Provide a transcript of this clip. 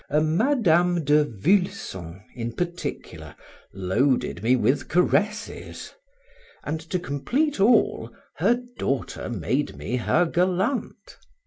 A Madame de Vulson, in particular, loaded me with caresses; and, to complete all, her daughter made me her gallant.